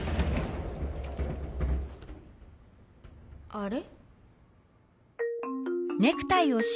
あれ？